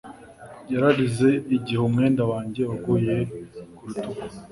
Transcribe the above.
yararize igihe umwenda wanjye waguye ku rutugu